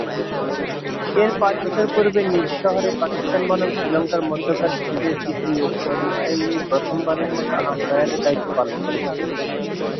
এর পাঁচ বছর পূর্বে নিজ শহরে পাকিস্তান বনাম শ্রীলঙ্কার মধ্যকার সিরিজের তৃতীয় ওডিআইয়ে প্রথমবারের মতো আম্পায়ারের দায়িত্ব পালন করেছেন।